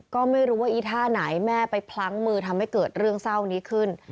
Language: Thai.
ก็ไม่รู้ว่าอีท่าไหนแม่ไปพลั้งมือทำให้เกิดเรื่องเศร้านี้ขึ้น